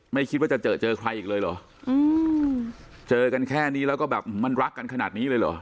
ไม่คิดว่าจะเจอเจอใครอีกเลยเหรออืมเจอกันแค่นี้แล้วก็แบบมันรักกันขนาดนี้เลยเหรอ